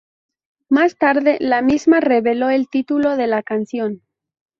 Más tarde la misma reveló el título de la canción.